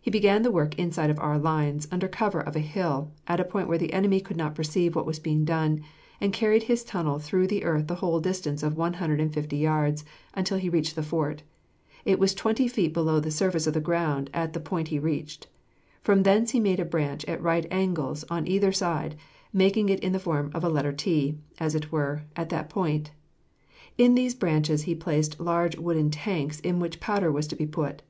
He began the work inside of our lines, under cover of a hill, at a point where the enemy could not perceive what was being done, and carried his tunnel through the earth the whole distance of one hundred and fifty yards, until he reached the fort. It was twenty feet beneath the surface of the ground at the point he reached. From thence he made a branch at right angles on either side, making it in the form of a letter T, as it were, at that point. In these branches he placed large wooden tanks in which powder was to be put.